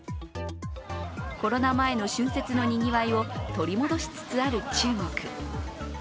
コロナ前の春節のにぎわいを取り戻しつつある中国。